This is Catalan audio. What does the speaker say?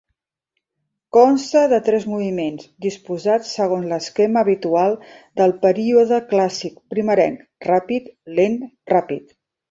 Consta de tres moviments, disposats segons l'esquema habitual del període clàssic primerenc: ràpid-lent-ràpid.